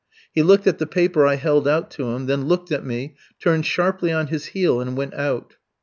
He looked at the paper I held out to him, then looked at me, turned sharply on his heel and went out.